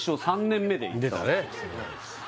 ３年目で行って出たね